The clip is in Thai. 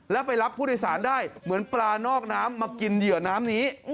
แล้วไปรับผู้โดยสารได้เหมือนปลานอกน้ำมากินเหยื่อน้ำนี้